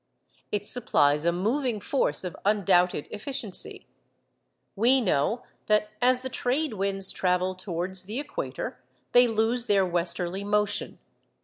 It supplies a moving force of undoubted efficiency. We know that as the trade winds travel towards the equator they lose their westerly motion.